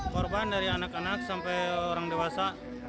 korban dari anak anak sampai orang dewasa